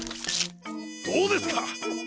どうですか！